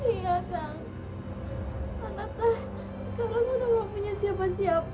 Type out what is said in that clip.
iya kan anaknya sekarang udah mau punya siapa siapa kan